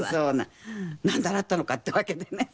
「なんで洗ったのか」ってわけでね。